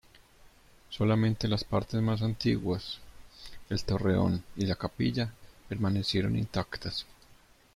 Solamente las partes más antiguas, el torreón y la capilla, permanecieron intactas.